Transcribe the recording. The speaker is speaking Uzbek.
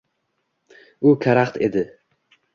U karaxt edi.